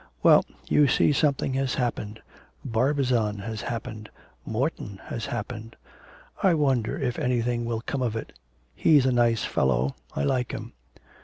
'Well, you see something has happened. Barbizon has happened, Morton has happened.' 'I wonder if anything will come of it. He's a nice fellow. I like him.'